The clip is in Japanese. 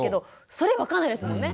それ分かんないですもんね。